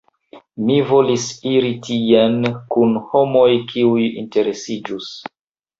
Mi volis iri tien kun homoj, kiuj interesiĝus.